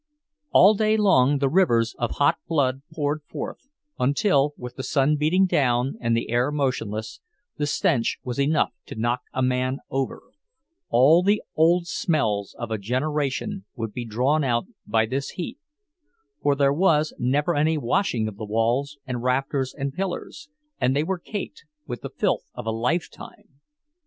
All day long the rivers of hot blood poured forth, until, with the sun beating down, and the air motionless, the stench was enough to knock a man over; all the old smells of a generation would be drawn out by this heat—for there was never any washing of the walls and rafters and pillars, and they were caked with the filth of a lifetime.